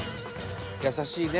優しいね。